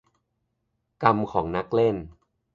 - กรรมของนักเล่น